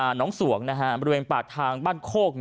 น้องสวงบริเวณปากทางบ้านโคก